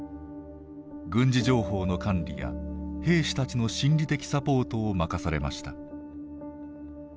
軍事情報の管理や兵士たちの心理的サポートを任されました。